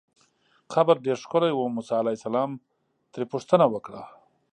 قبر ډېر ښکلی و، موسی علیه السلام ترې پوښتنه وکړه.